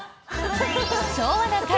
「昭和な会」